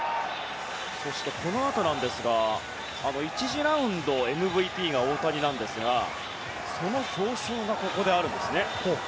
そしてこのあとですが１次ラウンドＭＶＰが大谷なんですが、その表彰がここであるんですね。